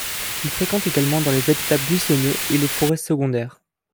Il fréquente également dans les habitats buissonneux et les forêts secondaires.